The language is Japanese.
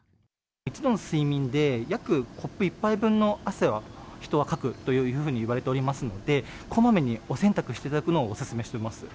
一度の睡眠で約コップ１杯分の汗を人はかくというふうにいわれておりますので、こまめにお洗濯していただくのをお勧めしてます。